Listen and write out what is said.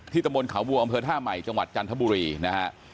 ตะบนเขาวัวอำเภอท่าใหม่จังหวัดจันทบุรีนะฮะ